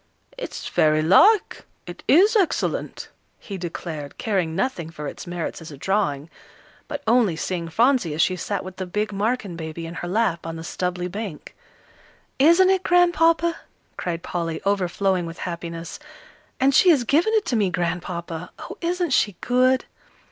"It's very like, it is excellent," he declared, caring nothing for its merits as a drawing, but only seeing Phronsie as she sat with the big Marken baby in her lap on the stubbly bank. "Isn't it, Grandpapa?" cried Polly, overflowing with happiness; "and she has given it to me, Grandpapa. Oh, isn't she good!"